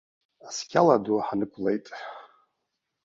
Асқьала ду ҳнықәлеит.